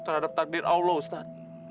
terhadap takdir allah ustaz